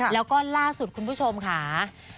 แล้วก็ล่าสุดคุณผู้ชมค่ะ